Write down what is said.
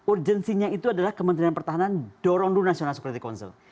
urgensinya itu adalah kementerian pertahanan dorong dulu national security council